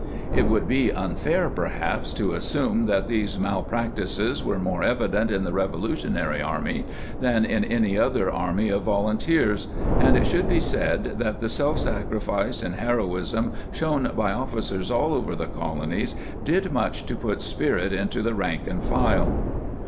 ^ It would be unfair, perhaps, to assume that these malprac tices were more evident in the revolutionary army than in any other army of volunteers ; and it should be said that the self sacrifice and hero isnj shown by officers all over the Colonies did much to put spirit into the rank and file.